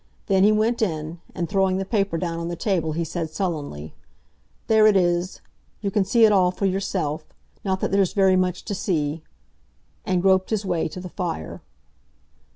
Then he went in, and throwing the paper down on the table, he said sullenly: "There it is! You can see it all for yourself—not that there's very much to see," and groped his way to the fire.